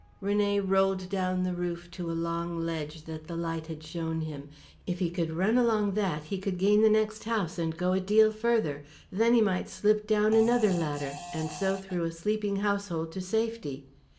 René rolled down the roof to a long ledge that the light had shown him. If he could run along that he could gain the next house, and go a deal further. Then he might slip down another ladder, and so through a sleeping household to safety.